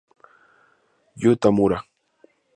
Yu Tamura